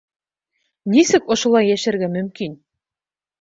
Нисек ошолай йәшәргә мөмкин?